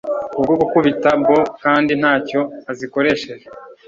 Kubwo gukubita beau kandi ntacyo azikoresheje